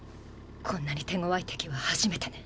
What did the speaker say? こんなに手ごわいてきははじめてね。